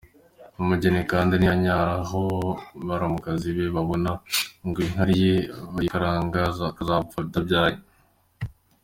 Umugeni kandi ntiyanyara aho baramukazi be barora, ngo inkari ye bayikaranga, akazapfa atabyaye.